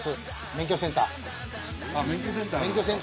免許センターです